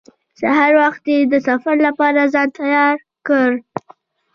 سهار وختي د سفر لپاره ځان تیار کړ.